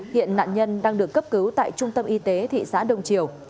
hiện nạn nhân đang được cấp cứu tại trung tâm y tế thị xã đông triều